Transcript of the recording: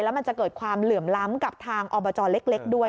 แล้วมันจะเกิดความเหลื่อมล้ำกับทางอบจเล็กด้วย